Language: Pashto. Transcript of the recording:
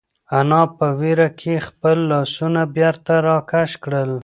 انا په وېره کې خپل لاسونه بېرته راکش کړل.